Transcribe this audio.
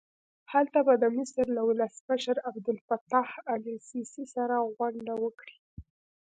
هلته به د مصر له ولسمشر عبدالفتاح السیسي سره غونډه وکړي.